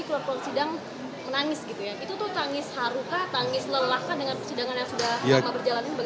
itu tuh tangis haru kah tangis lelah kan dengan persidangan yang sudah lama berjalanin